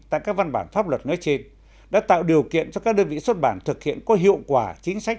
tại các văn bản pháp luật nói trên đã tạo điều kiện cho các đơn vị xuất bản thực hiện có hiệu quả chính sách